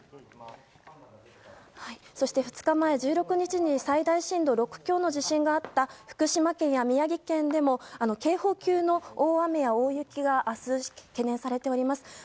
そして２日前、１６日に最大震度６強の地震があった福島県や宮城県でも警報級の大雨や大雪が明日、懸念されています。